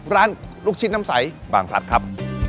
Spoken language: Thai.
ลูกชิ้นน้ำใสบางพลัดครับ